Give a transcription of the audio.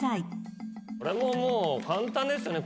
これももう簡単ですよね。